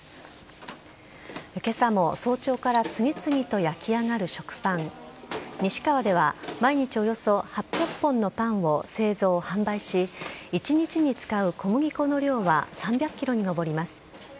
けさも早朝から、次々と焼き上がる食パン。に志かわでは、毎日およそ８００本のパンを製造・販売し、１日に使う小麦粉の量は３００キロに上ります。